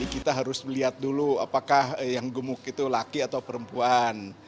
kita harus melihat dulu apakah yang gemuk itu laki atau perempuan